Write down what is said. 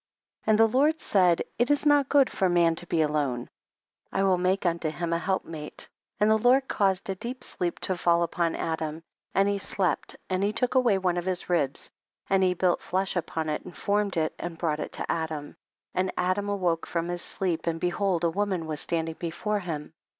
3. And the Lord said it is not good for man to be alone ; I will make unto him a helpmate. 4. And the Lord caused a deep sleep to fall upon Adam, and he slept, and he took away one of his ribs, and he built flesh upon it and form ed it and brought it to Adam, and Adam awoke from his sleep, and be hold a woman was standing before him.